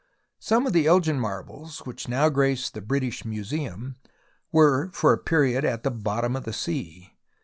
Some of the Elgin marbles which now grace the British Museum were for a period at the bottom of the sea.